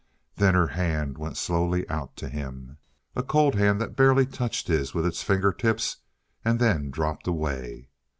Then her hand went slowly out to him, a cold hand that barely touched his with its fingertips and then dropped away.